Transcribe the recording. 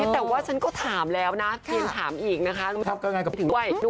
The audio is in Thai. แต่ว่าฉันก็ถามแล้วนะเพียงถามอีกนะคะ